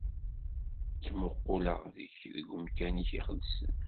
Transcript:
Ttmuquleɣ deg-k deg umkan-ik iqedsen.